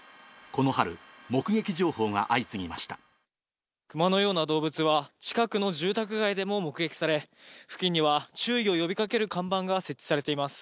この春、クマのような動物は、近くの住宅街でも目撃され、付近には注意を呼びかける看板が設置されています。